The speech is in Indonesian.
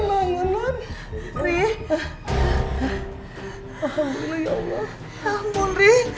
bangun bangun bangun